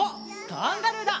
カンガルーだ！